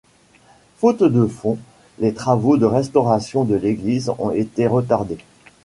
Faute de fonds, les travaux de restauration de l’église ont été retardés.